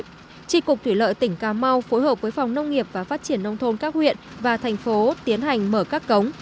trị cục thủy lợi tỉnh cà mau phối hợp với phòng nông nghiệp và phát triển nông thôn các huyện và thành phố tiến hành mở các cống